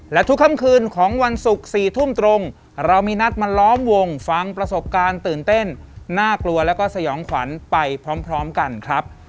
และทุกค่ำคืนของวันศุกร์๔ทุ่มตรงเรามีนัดมาล้อมวงฟังประสบการณ์ตื่นเต้นน่ากลัวแล้วก็สยองขวัญไปพร้อมกันครับ